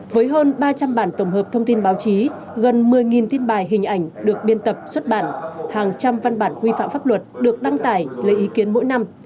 với hơn ba trăm linh bản tổng hợp thông tin báo chí gần một mươi tin bài hình ảnh được biên tập xuất bản hàng trăm văn bản quy phạm pháp luật được đăng tải lấy ý kiến mỗi năm